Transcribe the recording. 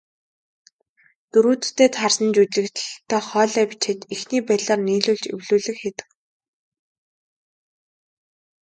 Дүрүүддээ таарсан жүжиглэлттэй хоолой бичээд, эхний байдлаар нийлүүлж эвлүүлэг хийдэг.